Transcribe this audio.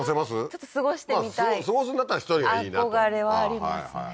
ちょっと過ごしてみたい過ごすんだったら１人がいいなと憧れはありますね